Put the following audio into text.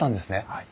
はい。